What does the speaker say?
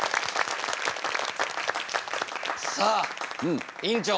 さあ院長